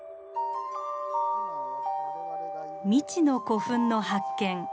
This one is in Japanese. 未知の古墳の発見。